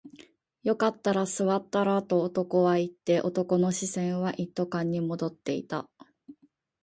よかったら座ったらと男は言って、男の視線は一斗缶に戻っていた